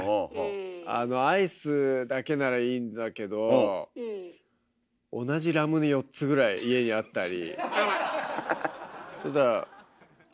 あのアイスだけならいいんだけど同じラムネ４つぐらい家にあったり。